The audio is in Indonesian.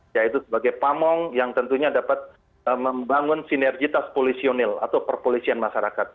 yaitu sebagai pamong yang tentunya dapat membangun sinergitas polisionil atau perpolisian masyarakat